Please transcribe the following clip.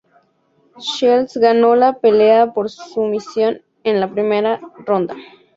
Shields ganó la pelea por sumisión en la primera ronda.